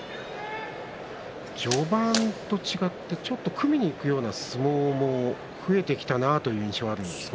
序盤と違ってちょっと組みにいくような相撲も増えてきたなという印象がありますが。